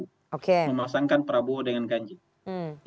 memasangkan prabowo dengan ganjar